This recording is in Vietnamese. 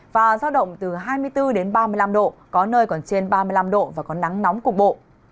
và giao động từ hai mươi bốn đến ba mươi năm độ có nơi còn trên ba mươi năm độ và có nắng nóng cục bộ